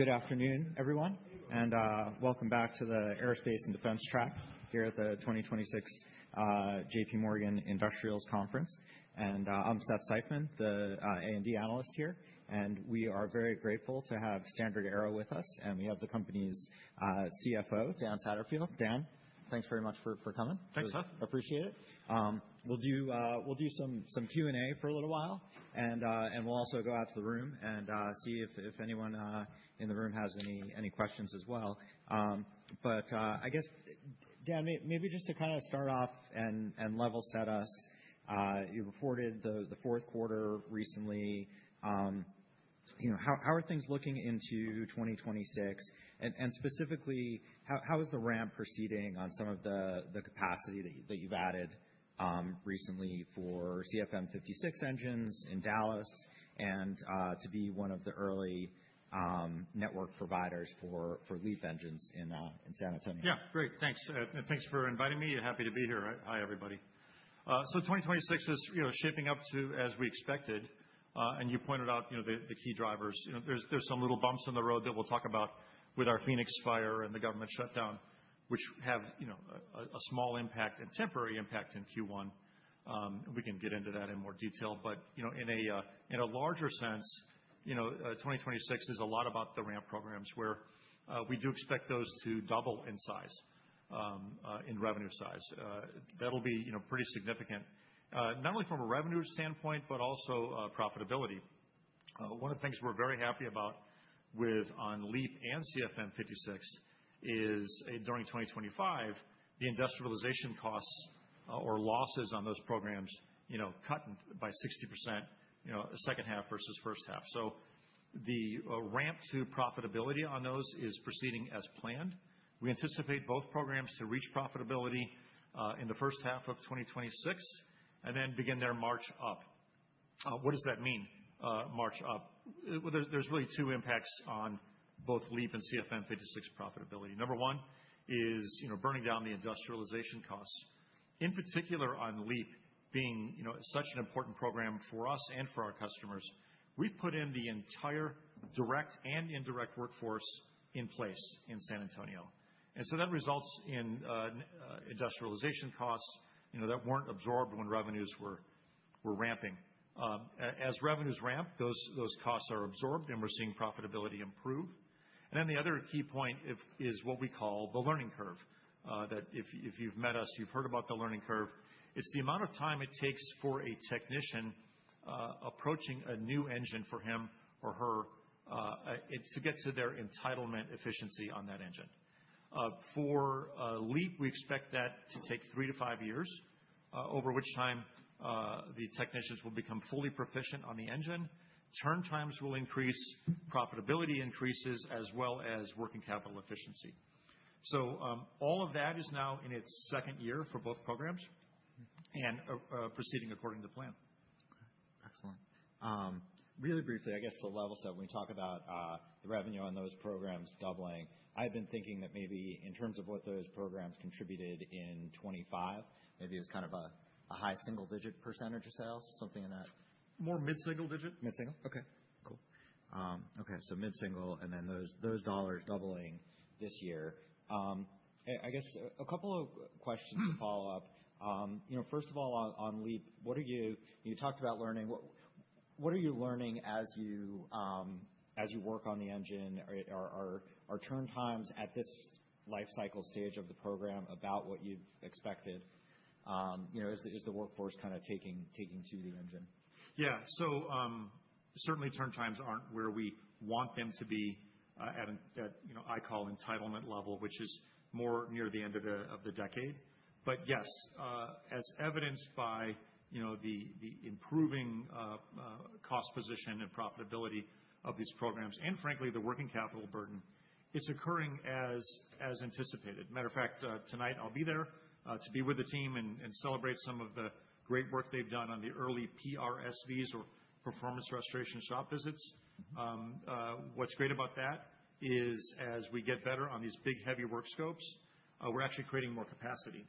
Good afternoon, everyone, and welcome back to the Aerospace and Defense Track here at the 2026 JPMorgan Industrials Conference. I'm Seth Seifman, the A&D analyst here, and we are very grateful to have StandardAero with us, and we have the company's CFO, Dan Satterfield. Dan, thanks very much for coming. Thanks, Seth. Appreciate it. We'll do some Q&A for a little while, and we'll also go out to the room and see if anyone in the room has any questions as well. I guess, Dan, maybe just to kinda start off and level set us, you reported the fourth quarter recently, you know, how are things looking into 2026? Specifically, how is the ramp proceeding on some of the capacity that you've added recently for CFM56 engines in Dallas and to be one of the early network providers for LEAP engines in San Antonio? Yeah, great. Thanks. Thanks for inviting me. Happy to be here. Hi, everybody. 2026 is, you know, shaping up as we expected, and you pointed out, you know, the key drivers. You know, there's some little bumps in the road that we'll talk about with our Phoenix fire and the government shutdown, which have, you know, a small impact and temporary impact in Q1. We can get into that in more detail. You know, in a larger sense, you know, 2026 is a lot about the ramp programs where we do expect those to double in size, in revenue size. That'll be, you know, pretty significant, not only from a revenue standpoint but also, profitability. One of the things we're very happy about with on LEAP and CFM56 is, during 2025, the industrialization costs or losses on those programs, you know, cut by 60%, you know, second half versus first half. The ramp to profitability on those is proceeding as planned. We anticipate both programs to reach profitability in the first half of 2026, and then begin their march up. What does that mean, march up? Well, there's really two impacts on both LEAP and CFM56 profitability. Number one is, you know, burning down the industrialization costs, in particular on LEAP being, you know, such an important program for us and for our customers. We put in the entire direct and indirect workforce in place in San Antonio. That results in industrialization costs, you know, that weren't absorbed when revenues were ramping. As revenues ramp, those costs are absorbed, and we're seeing profitability improve. The other key point is what we call the learning curve, that if you've met us, you've heard about the learning curve. It's the amount of time it takes for a technician approaching a new engine for him or her, it's to get to their entitlement efficiency on that engine. For LEAP, we expect that to take three to five years, over which time the technicians will become fully proficient on the engine. Turn times will increase, profitability increases as well as working capital efficiency. All of that is now in its second year for both programs and proceeding according to plan. Okay. Excellent. Really briefly, I guess to level set, when we talk about the revenue on those programs doubling, I've been thinking that maybe in terms of what those programs contributed in 2025, maybe it was kind of a high single-digit percentage of sales, something in that. More mid-single-digit. Mid-single? Okay, cool. Mid-single, and then those dollars doubling this year. I guess a couple of questions to follow-up. You know, first of all on LEAP, you talked about learning. What are you learning as you work on the engine? Are turn times at this life cycle stage of the program about what you've expected? You know, is the workforce kinda taking to the engine? Yeah. Certainly turn times aren't where we want them to be at, you know, I call entitlement level, which is more near the end of the decade. Yes, as evidenced by, you know, the improving cost position and profitability of these programs, and frankly, the working capital burden, it's occurring as anticipated. Matter of fact, tonight I'll be there to be with the team and celebrate some of the great work they've done on the early PRSVs or Performance Restoration Shop Visits. What's great about that is, as we get better on these big, heavy work scopes, we're actually creating more capacity.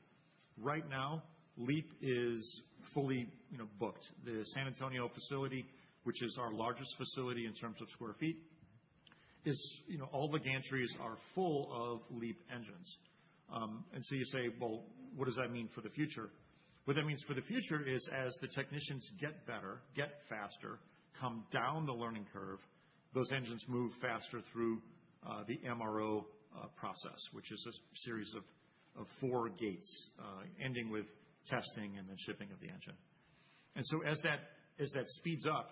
Right now, LEAP is fully, you know, booked. The San Antonio facility, which is our largest facility in terms of square feet, is, you know, all the gantries are full of LEAP engines. You say, "Well, what does that mean for the future?" What that means for the future is, as the technicians get better, get faster, come down the learning curve, those engines move faster through the MRO process, which is a series of four gates, ending with testing and then shipping of the engine. As that speeds up,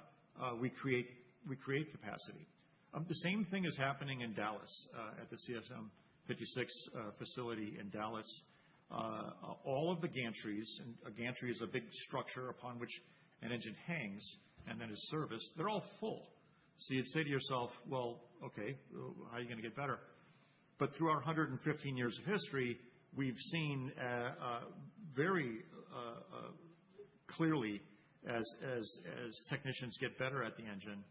we create capacity. The same thing is happening in Dallas at the CFM56 facility in Dallas. All of the gantries, and a gantry is a big structure upon which an engine hangs and then is serviced, they're all full. You'd say to yourself, "Well, okay, how are you gonna get better?" Through our 115 years of history, we've seen very clearly as technicians get better at the engine,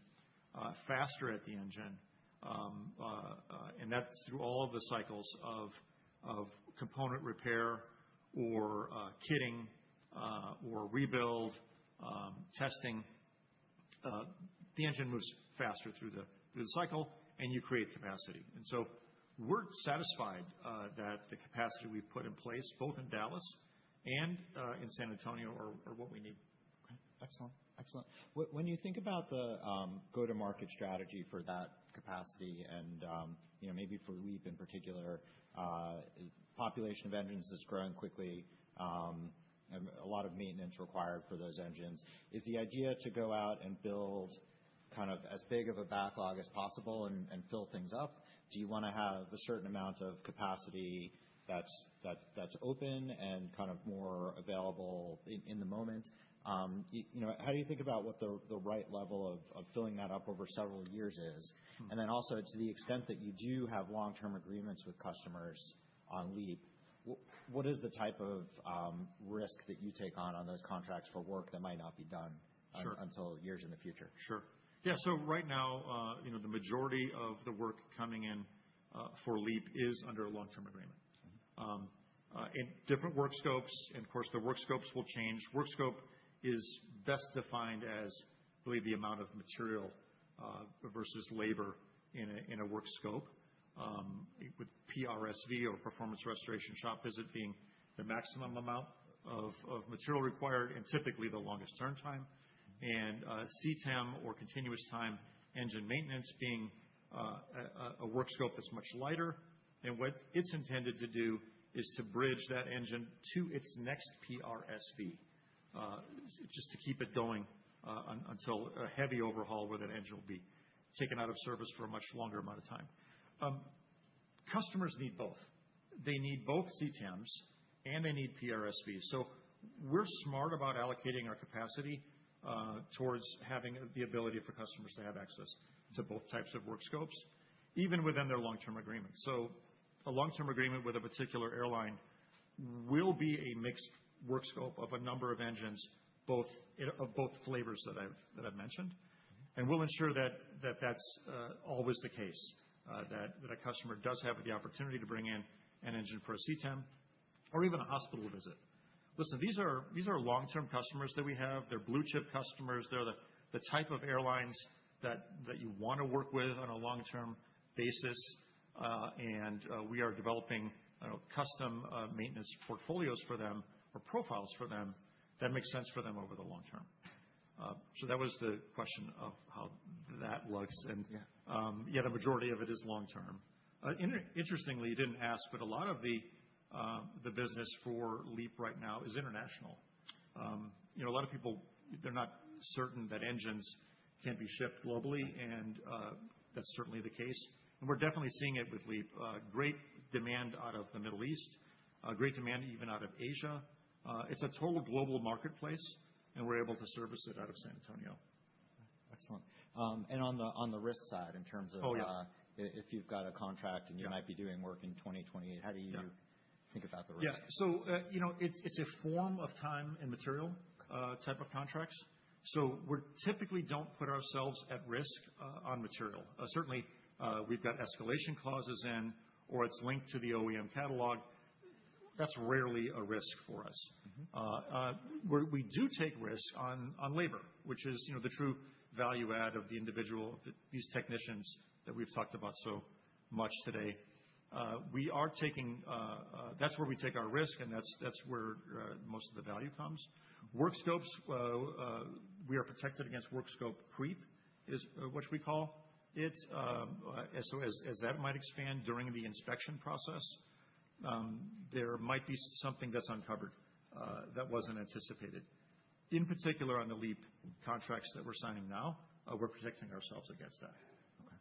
faster at the engine. And that's through all of the cycles of component repair or kitting or rebuild testing. The engine moves faster through the cycle, and you create capacity. We're satisfied that the capacity we've put in place, both in Dallas and in San Antonio are what we need. Okay. Excellent. When you think about the go-to-market strategy for that capacity and, you know, maybe for LEAP in particular, population of engines is growing quickly, and a lot of maintenance required for those engines, is the idea to go out and build kind of as big of a backlog as possible and fill things up? Do you wanna have a certain amount of capacity that's open and kind of more available in the moment? You know, how do you think about what the right level of filling that up over several years is? Also, to the extent that you do have long-term agreements with customers on LEAP, what is the type of risk that you take on those contracts for work that might not be done? Sure Until years in the future? Sure. Yeah, right now, you know, the majority of the work coming in for LEAP is under a long-term agreement. Mm-hmm. In different work scopes, of course, the work scopes will change. Work scope is best defined as really the amount of material versus labor in a work scope, with PRSV or Performance Restoration Shop Visit being the maximum amount of material required and typically the longest turn time. CTEM or Continuous Time Engine Maintenance being a work scope that's much lighter, and what it's intended to do is to bridge that engine to its next PRSV, just to keep it going until a heavy overhaul where that engine will be taken out of service for a much longer amount of time. Customers need both. They need both CTEMs, and they need PRSVs. We're smart about allocating our capacity towards having the ability for customers to have access to both types of work scopes, even within their long-term agreements. A long-term agreement with a particular airline will be a mixed work scope of a number of engines, both, you know, of both flavors that I've mentioned. Mm-hmm. We'll ensure that's always the case, that a customer does have the opportunity to bring in an engine for a CTEM or even a shop visit. Listen, these are long-term customers that we have. They're blue-chip customers. They're the type of airlines that you wanna work with on a long-term basis. We are developing custom maintenance portfolios for them or profiles for them that make sense for them over the long term. That was the question of how that looks. Yeah Yeah, the majority of it is long term. Interestingly, you didn't ask, but a lot of the business for LEAP right now is international. You know, a lot of people, they're not certain that engines can be shipped globally, and that's certainly the case. We're definitely seeing it with LEAP, great demand out of the Middle East, great demand even out of Asia. It's a total global marketplace, and we're able to service it out of San Antonio. Excellent. On the risk side, in terms of Oh, yeah. If you've got a contract- Yeah You might be doing work in 2020, how do you- Yeah think about the risk? You know, it's a form of time and material type of contracts. We typically don't put ourselves at risk on material. Certainly, we've got escalation clauses in, or it's linked to the OEM catalog. That's rarely a risk for us. Mm-hmm. Where we do take risks on labor, which is, you know, the true value add of the individual, these technicians that we've talked about so much today. We are taking. That's where we take our risk, and that's where most of the value comes. Work scopes, we are protected against work scope creep, is what we call it. As that might expand during the inspection process, there might be something that's uncovered that wasn't anticipated. In particular, on the LEAP contracts that we're signing now, we're protecting ourselves against that. Okay.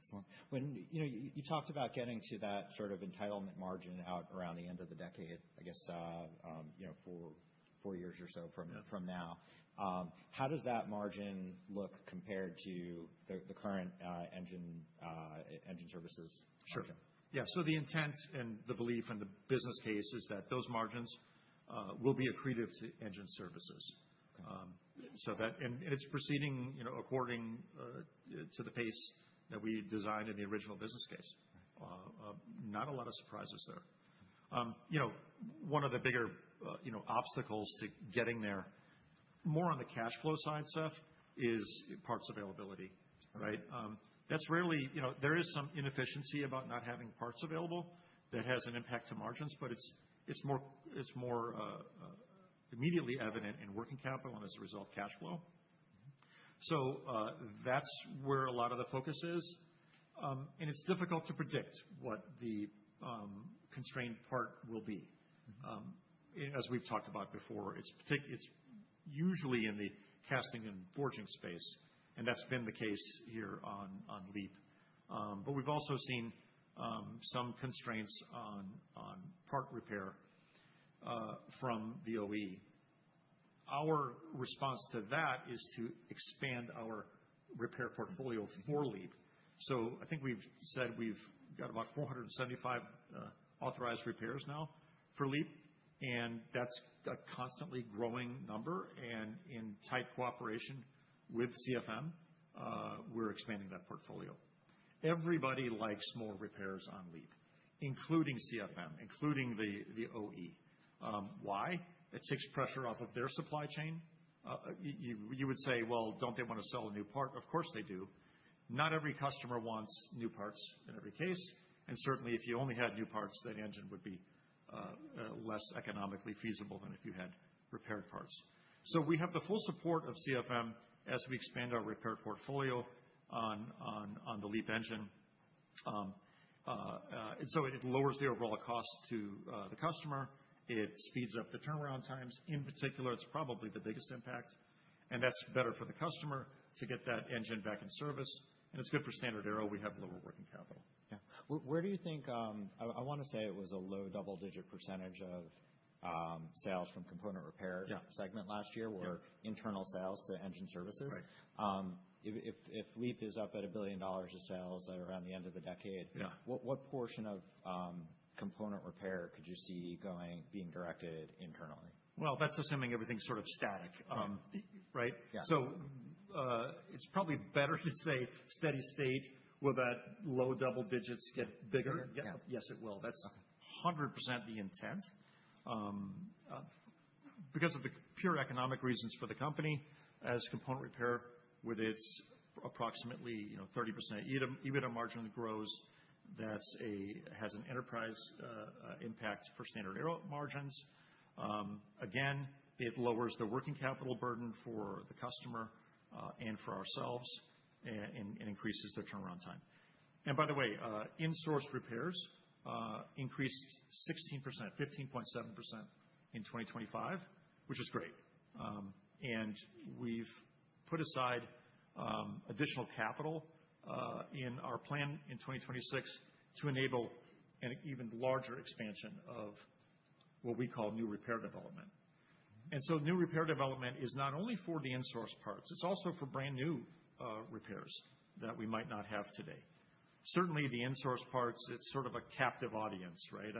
Excellent. When, you know, you talked about getting to that sort of entitlement margin out around the end of the decade, I guess, you know, four years or so from Yeah ...from now. How does that margin look compared to the current engine services offering? Sure. Yeah. The intent and the belief and the business case is that those margins will be accretive to engine services. It's proceeding, you know, according to the pace that we designed in the original business case. Okay. Not a lot of surprises there. You know, one of the bigger, you know, obstacles to getting there, more on the cash flow side, Seth, is parts availability, right? That's rarely, you know, there is some inefficiency about not having parts available that has an impact to margins, but it's more immediately evident in working capital and as a result, cash flow. Mm-hmm. That's where a lot of the focus is. It's difficult to predict what the constrained part will be. Mm-hmm. As we've talked about before, it's usually in the casting and forging space, and that's been the case here on LEAP. But we've also seen some constraints on part repair from the OE. Our response to that is to expand our repair portfolio for LEAP. I think we've said we've got about 475 authorized repairs now for LEAP, and that's a constantly growing number. In tight cooperation with CFM, we're expanding that portfolio. Everybody likes more repairs on LEAP, including CFM, including the OE. Why? It takes pressure off of their supply chain. You would say, "Well, don't they wanna sell a new part?" Of course, they do. Not every customer wants new parts in every case, and certainly if you only had new parts, that engine would be less economically feasible than if you had repaired parts. We have the full support of CFM as we expand our repair portfolio on the LEAP engine. It lowers the overall cost to the customer. It speeds up the turnaround times. In particular, it's probably the biggest impact, and that's better for the customer to get that engine back in service, and it's good for StandardAero. We have lower working capital. Yeah. Where do you think I wanna say it was a low double-digit percentage of sales from component repair- Yeah. segment last year were internal sales to engine services. Right. If LEAP is up at $1 billion of sales around the end of the decade. Yeah. What portion of component repair could you see going, being directed internally? Well, that's assuming everything's sort of static, right? Yeah. It's probably better to say steady state. Will that low double digits get bigger? Yeah. Yes, it will. That's 100% the intent because of the pure economic reasons for the company as component repair with its approximately, you know, 30% EBITDA margin that grows, has an enterprise impact for StandardAero margins. Again, it lowers the working capital burden for the customer and for ourselves and increases their turnaround time. By the way, in-source repairs increased 16%, 15.7% in 2025, which is great. We've put aside additional capital in our plan in 2026 to enable an even larger expansion of what we call new repair development. New repair development is not only for the in-source parts, it's also for brand-new repairs that we might not have today. Certainly, the in-source parts, it's sort of a captive audience, right?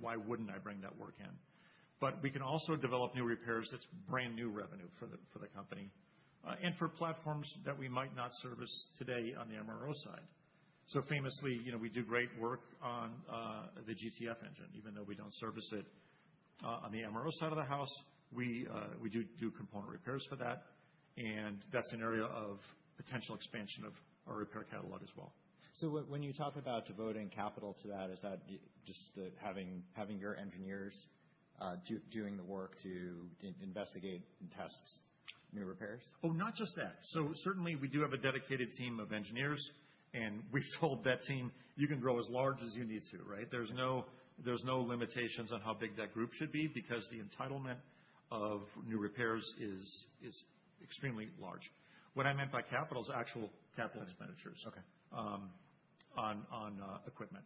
Why wouldn't I bring that work in? We can also develop new repairs that's brand-new revenue for the company, and for platforms that we might not service today on the MRO side. Famously, you know, we do great work on the GTF engine, even though we don't service it on the MRO side of the house. We do component repairs for that, and that's an area of potential expansion of our repair catalog as well. When you talk about devoting capital to that, is that just the having your engineers doing the work to investigate and test new repairs? Oh, not just that. Certainly, we do have a dedicated team of engineers, and we've told that team, "You can grow as large as you need to," right? There's no limitations on how big that group should be because the entitlement of new repairs is extremely large. What I meant by capital is actual capital expenditures. Okay. on equipment.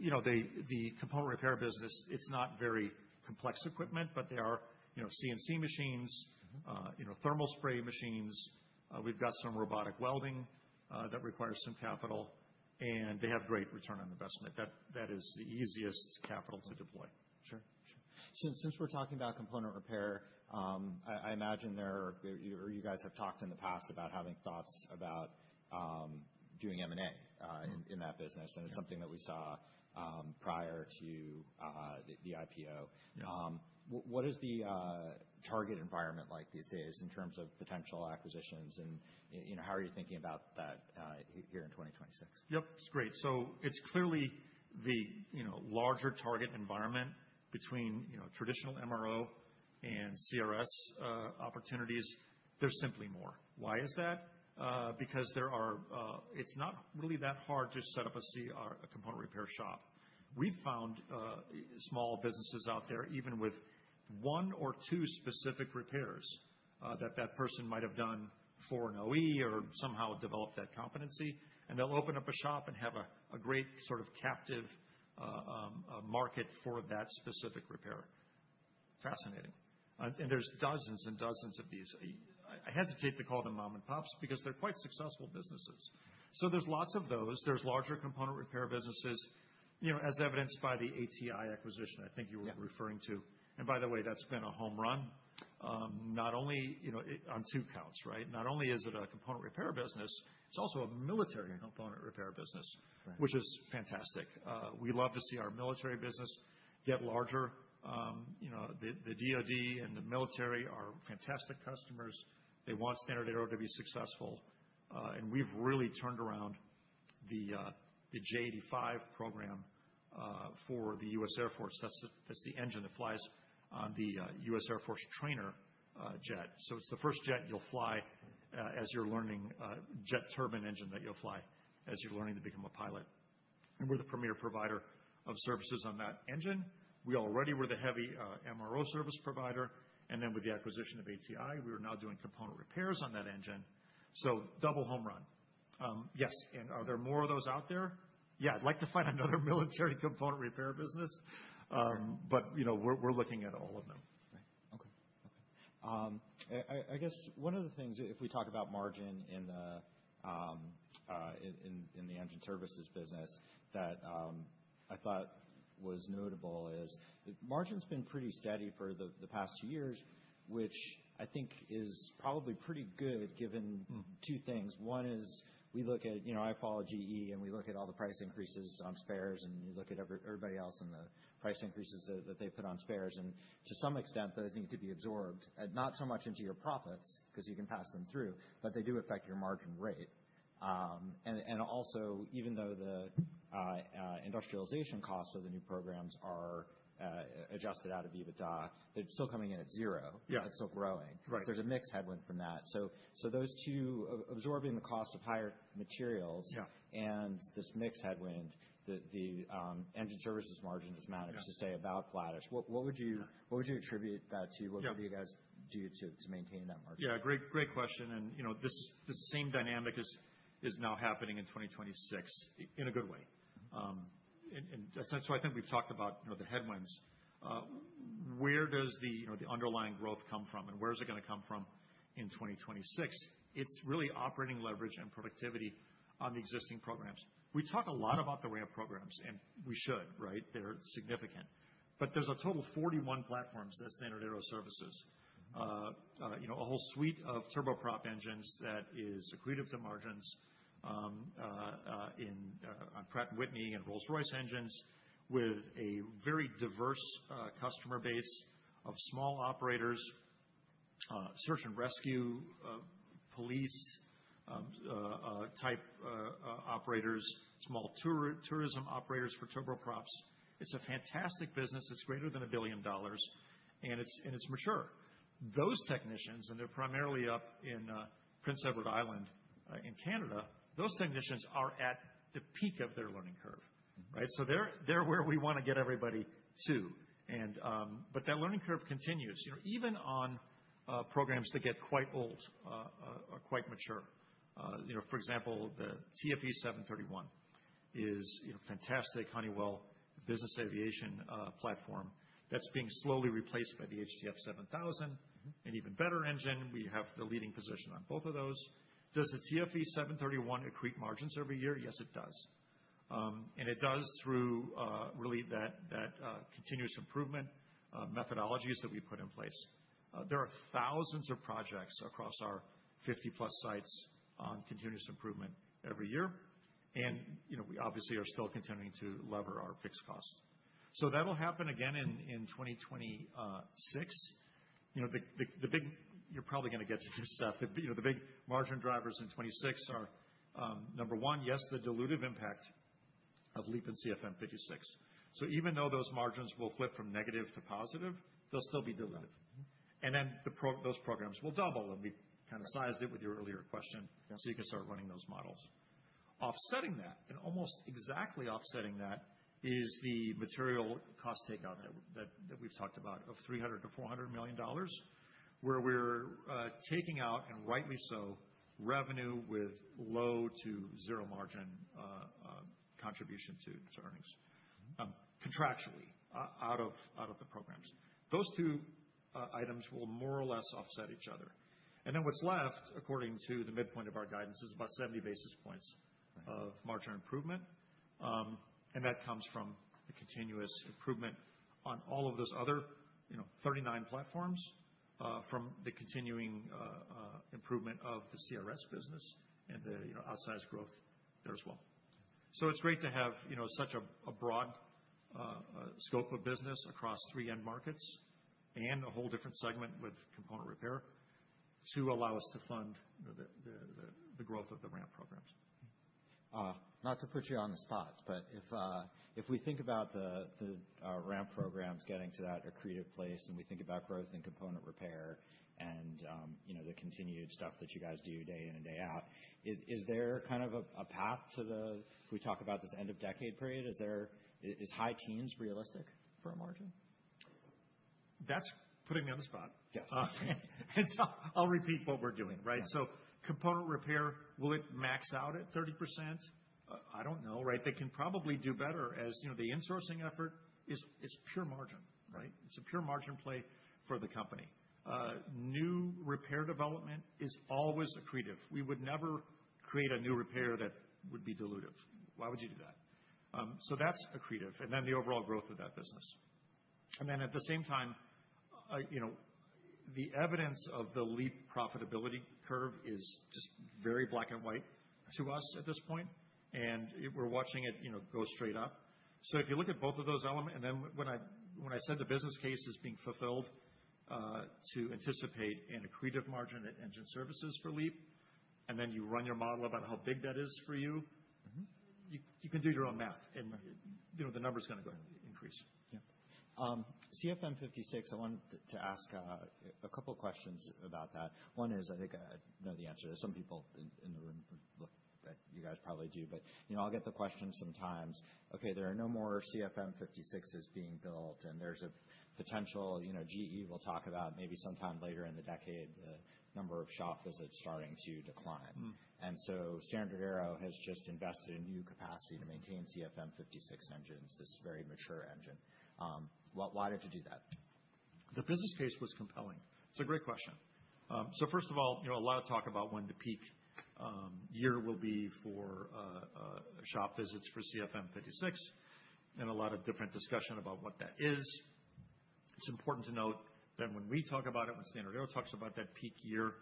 You know, the component repair business, it's not very complex equipment, but they are, you know, CNC machines. Mm-hmm. You know, thermal spray machines. We've got some robotic welding that requires some capital, and they have great return on investment. That is the easiest capital to deploy. Sure. Since we're talking about component repair, I imagine there, or you guys have talked in the past about having thoughts about doing M&A in that business, and it's something that we saw prior to the IPO. Yeah. What is the target environment like these days in terms of potential acquisitions and, you know, how are you thinking about that here in 2026? Yep. It's great. It's clearly the, you know, larger target environment between, you know, traditional MRO and CRS opportunities. There's simply more. Why is that? Because there are, it's not really that hard to set up a CR, a component repair shop. We found small businesses out there, even with one or two specific repairs, that person might have done for an OE or somehow developed that competency, and they'll open up a shop and have a great sort of captive market for that specific repair. Fascinating. There's dozens and dozens of these. I hesitate to call them mom and pops because they're quite successful businesses. There's lots of those. There's larger component repair businesses, you know, as evidenced by the ATI acquisition I think you were referring to. Yeah. By the way, that's been a home run, not only, you know, on two counts, right? Not only is it a component repair business, it's also a military component repair business. Right. Which is fantastic. We love to see our military business get larger. You know, the DOD and the military are fantastic customers. They want StandardAero to be successful, and we've really turned around the J85 program for the U.S. Air Force. That's the engine that flies on the US Air Force trainer jet. So it's the first jet you'll fly as you're learning jet turbine engine that you'll fly as you're learning to become a pilot, and we're the premier provider of services on that engine. We already were the heavy MRO service provider, and then with the acquisition of ATI, we are now doing component repairs on that engine, so double home run. Yes. Are there more of those out there? Yeah, I'd like to find another military component repair business, but you know, we're looking at all of them. I guess one of the things, if we talk about margin in the engine services business that I thought was notable is that margin's been pretty steady for the past years, which I think is probably pretty good given two things. One is we look at, you know, I follow GE, and we look at all the price increases on spares, and you look at everybody else and the price increases that they put on spares. To some extent, those need to be absorbed, not so much into your profits because you can pass them through, but they do affect your margin rate. Even though the industrialization costs of the new programs are adjusted out of EBITDA, they're still coming in at zero. Yeah. It's still growing. Right. There's a mixed headwind from that. Those two absorbing the cost of higher materials. Yeah. This mixed headwind, the engine services margin has managed- Yeah. to stay about flattish. What would you attribute that to? Yeah. What would you guys do to maintain that margin? Yeah, great question. You know, this same dynamic is now happening in 2026 in a good way. I think we've talked about, you know, the headwinds. Where does the, you know, the underlying growth come from, and where is it gonna come from in 2026? It's really operating leverage and productivity on the existing programs. We talk a lot about the ramp programs, and we should, right? They're significant. There's a total of 41 platforms at StandardAero services. Mm-hmm. You know, a whole suite of turboprop engines that is accretive to margins on Pratt & Whitney and Rolls-Royce engines, with a very diverse customer base of small operators, search and rescue, police type operators, small tourism operators for turboprops. It's a fantastic business. It's greater than $1 billion, and it's mature. Those technicians are primarily up in Prince Edward Island in Canada. Those technicians are at the peak of their learning curve, right? So they're where we wanna get everybody to. But that learning curve continues, you know, even on programs that get quite old are quite mature. You know, for example, the TFE731 is a fantastic Honeywell business aviation platform that's being slowly replaced by the HTF7000. Mm-hmm. An even better engine. We have the leading position on both of those. Does the TFE731 accrete margins every year? Yes, it does. It does through really that continuous improvement methodologies that we put in place. There are thousands of projects across our 50+ sites on continuous improvement every year. You know, we obviously are still continuing to leverage our fixed costs. That'll happen again in 2026. You know, the big. You're probably gonna get to this stuff. You know, the big margin drivers in 2026 are number one, yes, the dilutive impact of LEAP and CFM56. Even though those margins will flip from negative to positive, they'll still be dilutive. Mm-hmm. Those programs will double, and we kinda sized it with your earlier question. Yeah. You can start running those models. Offsetting that, and almost exactly offsetting that is the material cost takeout that we've talked about of $300 million-$400 million, where we're taking out, and rightly so, revenue with low to zero margin, contribution to earnings, contractually out of the programs. Those two items will more or less offset each other. Then what's left, according to the midpoint of our guidance, is about 70 basis points. Right. Of margin improvement. That comes from the continuous improvement on all of those other, you know, 39 platforms, from the continuing improvement of the CRS business and the, you know, outsized growth there as well. It's great to have, you know, such a broad scope of business across three end markets and a whole different segment with component repair to allow us to fund the growth of the ramp programs. Not to put you on the spot, but if we think about the ramp programs getting to that accretive place and we think about growth in component repair and, you know, the continued stuff that you guys do day in and day out, is there kind of a path to, if we talk about this end of decade period, is there high teens realistic for a margin? That's putting me on the spot. Yes. I'll repeat what we're doing, right? Yeah. Component repair, will it max out at 30%? I don't know, right? They can probably do better as, you know, the insourcing effort is pure margin, right? It's a pure margin play for the company. New repair development is always accretive. We would never create a new repair that would be dilutive. Why would you do that? That's accretive, and then the overall growth of that business. At the same time, you know, the evidence of the LEAP profitability curve is just very black and white to us at this point, and we're watching it, you know, go straight up. If you look at both of those elements, and then when I said the business case is being fulfilled, to anticipate an accretive margin at engine services for LEAP, and then you run your model about how big that is for you. Mm-hmm. You can do your own math, and you know, the number's gonna go increase. CFM56, I wanted to ask a couple questions about that. One is, I think I know the answer. There's some people in the room who look like you guys probably do. You know, I'll get the question sometimes. Okay, there are no more CFM56s being built, and there's a potential, you know, GE will talk about maybe sometime later in the decade, the number of shop visits starting to decline. Mm-hmm. StandardAero has just invested in new capacity to maintain CFM56 engines, this very mature engine. Why did you do that? The business case was compelling. It's a great question. First of all, you know, a lot of talk about when the peak year will be for shop visits for CFM56, and a lot of different discussion about what that is. It's important to note that when we talk about it, when StandardAero talks about that peak year,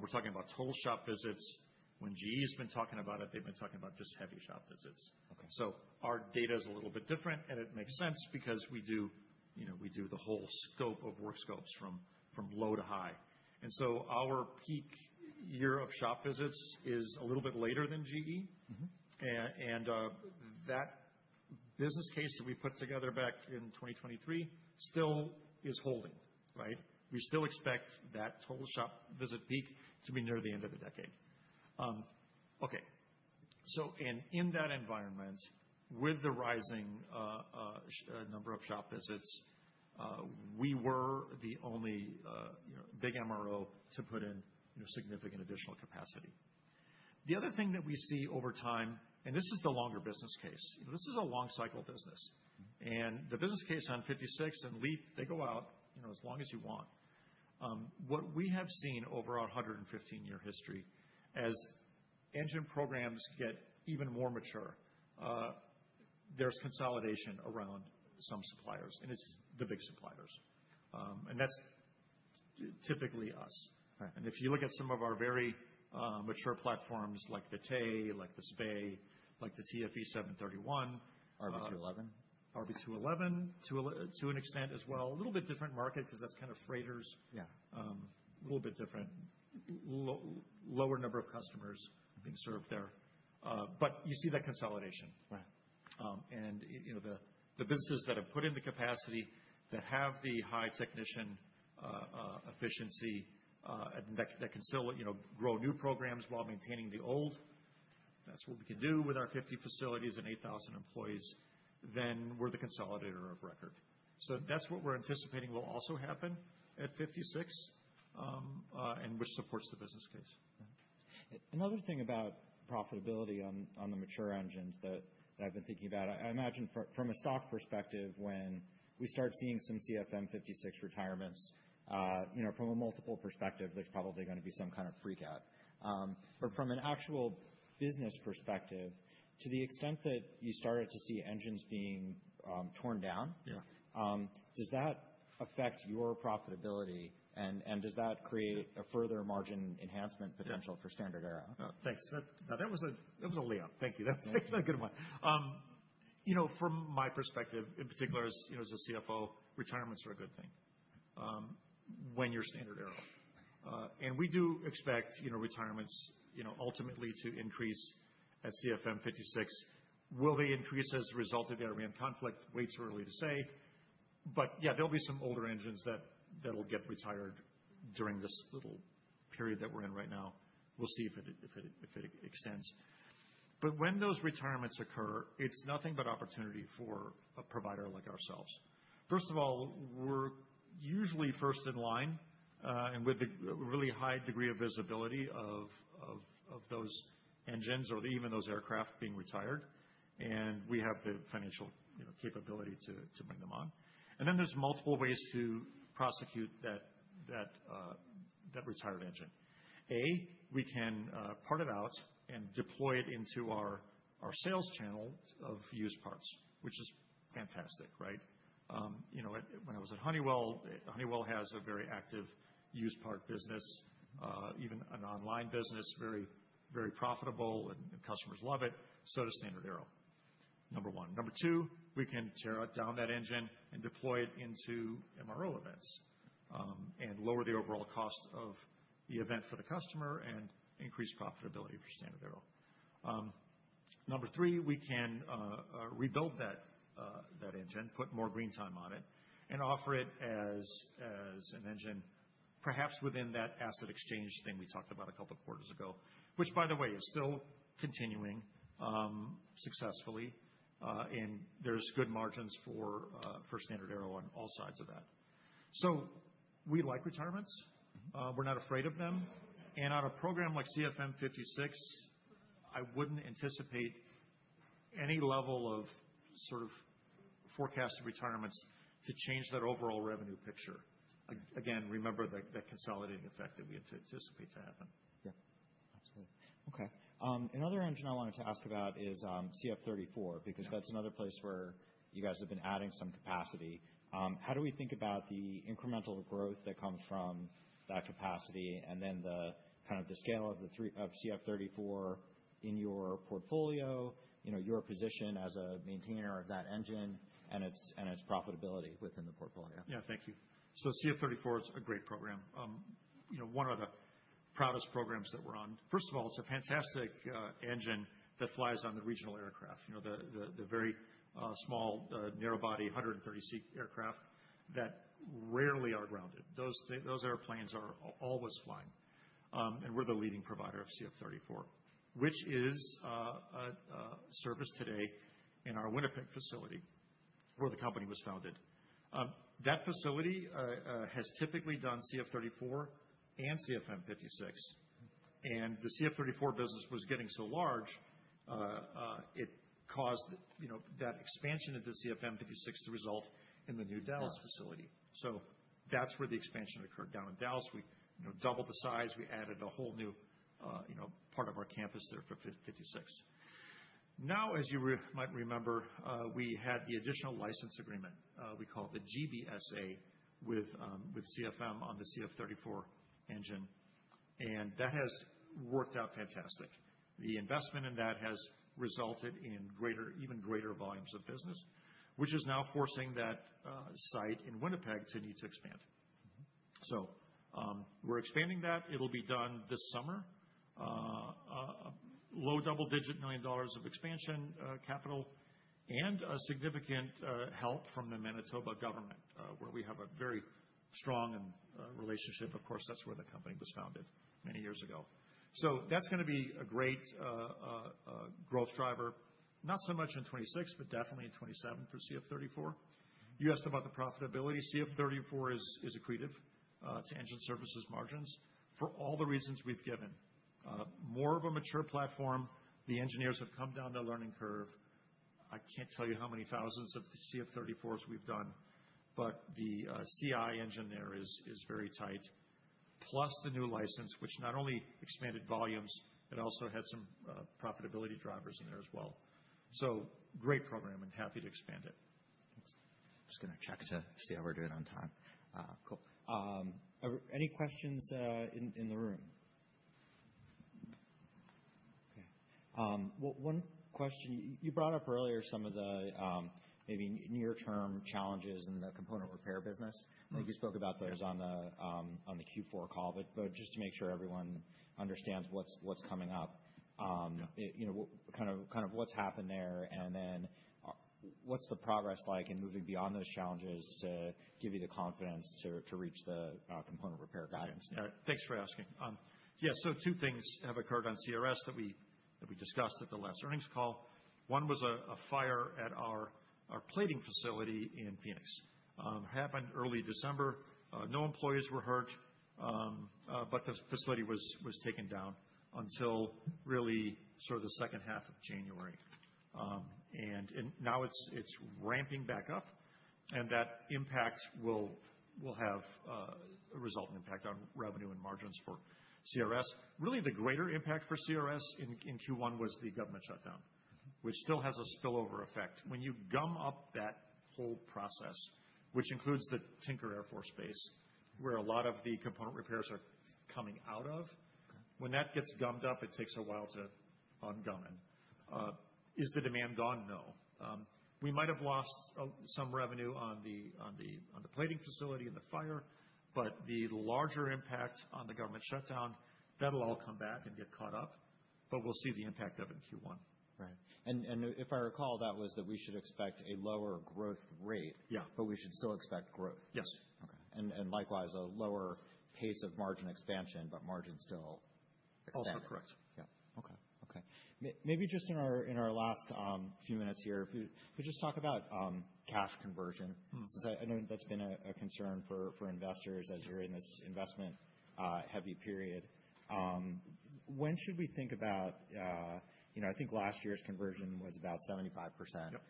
we're talking about total shop visits. When GE has been talking about it, they've been talking about just heavy shop visits. Okay. Our data is a little bit different, and it makes sense because we do, you know, we do the whole scope of work scopes from low to high. Our peak year of shop visits is a little bit later than GE. Mm-hmm. That business case that we put together back in 2023 still is holding, right? We still expect that total shop visit peak to be near the end of the decade. In that environment, with the rising number of shop visits, we were the only, you know, big MRO to put in, you know, significant additional capacity. The other thing that we see over time, and this is the longer business case. You know, this is a long cycle business. Mm-hmm. The business case on CFM56 and LEAP, they go out, you know, as long as you want. What we have seen over our 115-year history, as engine programs get even more mature, there's consolidation around some suppliers, and it's the big suppliers. That's typically us. Right. If you look at some of our very mature platforms like the Tay, like the Spey, like the TFE731. RB211. RB211 to an extent as well. A little bit different market because that's kind of freighters. Yeah. A little bit different lower number of customers being served there. You see that consolidation. Right. You know, the businesses that have put in the capacity that have the high technician efficiency, and that can still, you know, grow new programs while maintaining the old, that's what we can do with our 50 facilities and 8,000 employees, then we're the consolidator of record. That's what we're anticipating will also happen at CFM56, and which supports the business case. Yeah. Another thing about profitability on the mature engines that I've been thinking about, I imagine from a stock perspective, when we start seeing some CFM56 retirements, you know, from a multiple perspective, there's probably gonna be some kind of freak out. From an actual business perspective, to the extent that you started to see engines being torn down. Yeah. Does that affect your profitability? Does that create a further margin enhancement potential for StandardAero? Yeah. Thanks. That was a layup. Thank you. That's a good one. You know, from my perspective, in particular, as a CFO, retirements are a good thing when you're StandardAero. We do expect you know, retirements you know, ultimately to increase at CFM56. Will they increase as a result of the [Iranian conflict? Way too early to say. Yeah, there'll be some older engines that'll get retired during this little period that we're in right now. We'll see if it extends. When those retirements occur, it's nothing but opportunity for a provider like ourselves. First of all, we're usually first in line, and with a really high degree of visibility of those engines or even those aircraft being retired, and we have the financial, you know, capability to bring them on. Then there's multiple ways to prosecute that retired engine. We can part it out and deploy it into our sales channel of used parts, which is fantastic, right? You know, when I was at Honeywell has a very active used part business, even an online business, very profitable, and customers love it, so does StandardAero, number one. Number two, we can tear down that engine and deploy it into MRO events, and lower the overall cost of the event for the customer and increase profitability for StandardAero. Number three, we can rebuild that engine, put more green time on it, and offer it as an engine, perhaps within that asset exchange thing we talked about a couple of quarters ago, which, by the way, is still continuing successfully. There's good margins for StandardAero on all sides of that. We like retirements. Mm-hmm. We're not afraid of them. On a program like CFM56, I wouldn't anticipate any level of sort of forecasted retirements to change that overall revenue picture. Again, remember the consolidating effect that we anticipate to happen. Yeah. Absolutely. Okay. Another engine I wanted to ask about is CF34, because that's another place where you guys have been adding some capacity. How do we think about the incremental growth that comes from that capacity and then the, kind of the scale of CF34 in your portfolio, you know, your position as a maintainer of that engine and its profitability within the portfolio? Yeah. Thank you. CF34, it's a great program. You know, one of the proudest programs that we're on. First of all, it's a fantastic engine that flies on the regional aircraft. You know, the very small narrow-body 130-seat aircraft that rarely are grounded. Those airplanes are always flying. We're the leading provider of CF34, which is serviced today in our Winnipeg facility where the company was founded. That facility has typically done CF34 and CFM56. The CF34 business was getting so large, it caused, you know, that expansion of the CFM56 to result in the new Dallas facility. That's where the expansion occurred down in Dallas. We, you know, doubled the size. We added a whole new, you know, part of our campus there for CFM56. Now, as you might remember, we had the additional license agreement, we call it the GBSA with CFM on the CF34 engine, and that has worked out fantastic. The investment in that has resulted in even greater volumes of business, which is now forcing that site in Winnipeg to need to expand. We're expanding that. It'll be done this summer. Low double-digit $9 million of expansion capital and a significant help from the Manitoba government, where we have a very strong relationship. Of course, that's where the company was founded many years ago. That's gonna be a great growth driver, not so much in 2026, but definitely in 2027 for CF34. You asked about the profitability. CF34 is accretive to engine services margins for all the reasons we've given. More of a mature platform, the engineers have come down the learning curve. I can't tell you how many thousands of CF34s we've done, but the CI engine there is very tight. Plus the new license, which not only expanded volumes, it also had some profitability drivers in there as well. Great program and happy to expand it. Just gonna check to see how we're doing on time? Cool. Are any questions in the room? Okay. One question. You brought up earlier some of the maybe near-term challenges in the component repair business. Mm-hmm. I think you spoke about those on the Q4 call. Just to make sure everyone understands what's coming up, you know, kind of what's happened there, and then, what's the progress like in moving beyond those challenges to give you the confidence to reach the component repair guidance? All right. Thanks for asking. Yeah, so two things have occurred on CRS that we discussed at the last earnings call. One was a fire at our plating facility in Phoenix. Happened early December. No employees were hurt, but the facility was taken down until really sort of the second half of January. Now it's ramping back up, and that impact will have a resulting impact on revenue and margins for CRS. Really the greater impact for CRS in Q1 was the government shutdown, which still has a spillover effect. When you gum up that whole process, which includes the Tinker Air Force Base, where a lot of the component repairs are coming out of, when that gets gummed up, it takes a while to un-gum it. Is the demand gone? No. We might have lost some revenue on the plating facility and the fire, but the larger impact on the government shutdown, that'll all come back and get caught up, but we'll see the impact of it in Q1. Right. If I recall, that was that we should expect a lower growth rate. Yeah. We should still expect growth. Yes. Okay. Likewise, a lower pace of margin expansion, but margin still expanding. Also correct. Yeah. Okay. Maybe just in our last few minutes here, could we just talk about cash conversion? Mm-hmm. 'Cause I know that's been a concern for investors as we're in this investment heavy period. When should we think about, you know, I think last year's conversion was about 75%. Yep.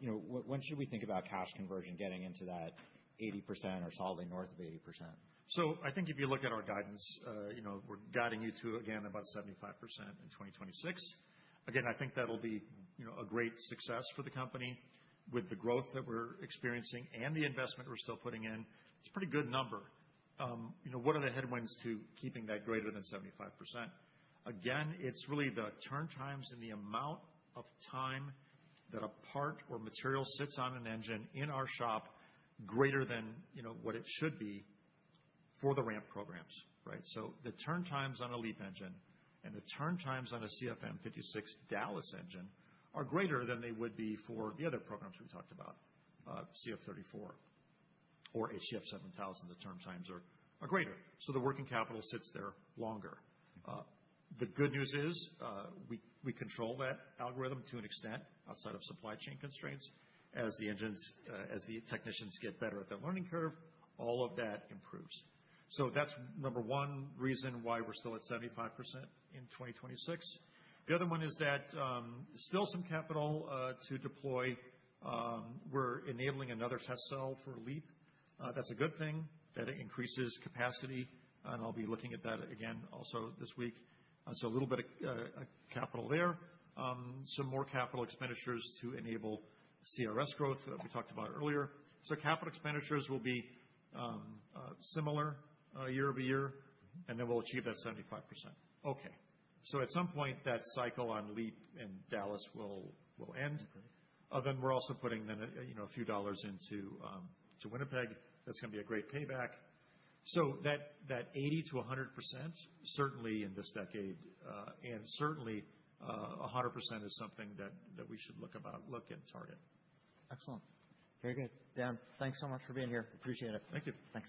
You know, when should we think about cash conversion getting into that 80% or solidly north of 80%? I think if you look at our guidance, you know, we're guiding you to, again, about 75% in 2026. Again, I think that'll be, you know, a great success for the company with the growth that we're experiencing and the investment we're still putting in. It's a pretty good number. You know, what are the headwinds to keeping that greater than 75%? Again, it's really the turn times and the amount of time that a part or material sits on an engine in our shop greater than, you know, what it should be for the ramp programs, right? The turn times on a LEAP engine and the turn times on a CFM56 Dallas engine are greater than they would be for the other programs we talked about, CF34 or a HTF7000, the turn times are greater. The working capital sits there longer. The good news is, we control that algorithm to an extent outside of supply chain constraints. As the technicians get better at that learning curve, all of that improves. That's number one reason why we're still at 75% in 2026. The other one is that, still some capital to deploy. We're enabling another test cell for LEAP. That's a good thing. That increases capacity, and I'll be looking at that again also this week. A little bit of capital there. Some more capital expenditures to enable CRS growth, as we talked about earlier. Capital expenditures will be similar year-over-year, and then we'll achieve that 75%. Okay. At some point, that cycle on LEAP and Dallas will end. Okay. We're also putting, you know, a few dollars into Winnipeg. That's gonna be a great payback. That 80%-100%, certainly in this decade, and certainly 100% is something that we should look and target. Excellent. Very good. Dan, thanks so much for being here. Appreciate it. Thank you. Thanks.